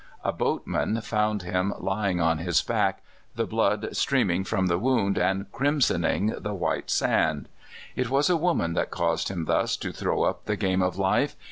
A boatman found I20 CALIFORNIA SKETCHES. him lying on his back, the blood streaming from the wound and crimsoning the white sand. It was a woman that caused him thus to throw up the game of life.